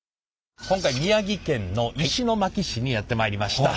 今回は宮城県の石巻市にやって参りました。